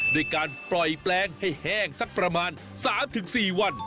ด้วยการปล่อยแปลงให้แห้งสักประมาณ๓๔วัน